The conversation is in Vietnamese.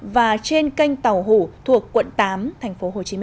và trên kênh tàu hủ thuộc quận tám tp hcm